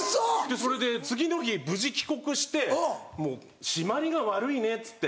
それで次の日無事帰国してもう締まりが悪いねっつって。